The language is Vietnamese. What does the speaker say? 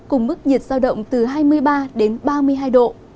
cùng mức nhiệt giao động từ hai mươi ba đến ba mươi hai độ